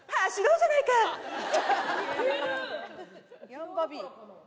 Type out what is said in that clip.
ヤンバビ。